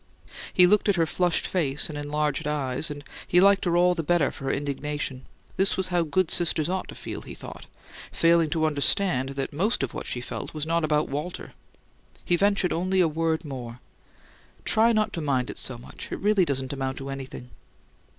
He looked at her flushed face and enlarged eyes; and he liked her all the better for her indignation: this was how good sisters ought to feel, he thought, failing to understand that most of what she felt was not about Walter. He ventured only a word more. "Try not to mind it so much; it really doesn't amount to anything."